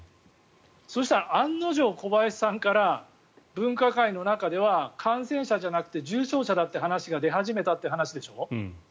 そしたら案の定、小林さんから分科会の中では感染者じゃなくて重症者だっていう話が出始めたっていう話でしょ。